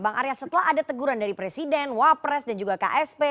bang arya setelah ada teguran dari presiden wapres dan juga ksp